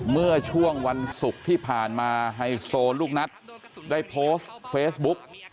เมื่อช่วงวันศุกร์ที่ผ่านมาไฮโซลูกนัดได้โพสต์เฟซบุ๊ก